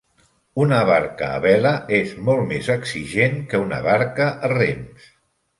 Una barca a vela és molt més exigent que una barca a rems.